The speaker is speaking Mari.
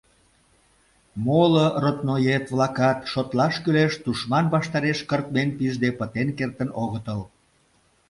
Моло родноет-влакат, шотлаш кӱлеш, тушман ваштареш кыртмен пижде пытен кертын огытыл.